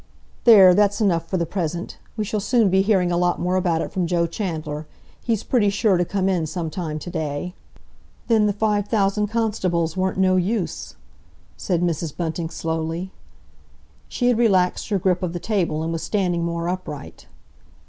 "There, that's enough for the present! We shall soon be hearing a lot more about it from Joe Chandler. He's pretty sure to come in some time to day." "Then the five thousand constables weren't no use?" said Mrs. Bunting slowly. She had relaxed her grip of the table, and was standing more upright.